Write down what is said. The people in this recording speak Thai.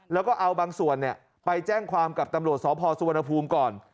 แล้วก็เอาบางส่วนไปแจ้งความกับตำรวจสพสุวรรณภูมิก่อน